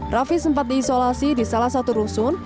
raffi sempat diisolasi di salah satu rusun